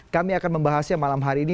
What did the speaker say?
kami akan membahasnya malam hari ini